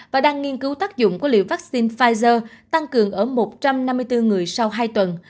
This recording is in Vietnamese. và đang nghiên cứu tác dụng của liều vaccine pfizer tăng cường ở một trăm năm mươi bốn người sau hai tuần